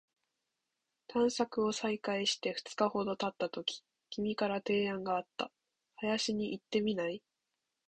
探索を再開して二日ほど経ったとき、君から提案があった。「林に行ってみない？」